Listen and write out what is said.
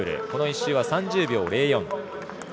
この１周は３０秒０４。